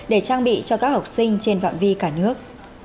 để trang bị cho các học sinh trên phạm vi cả nước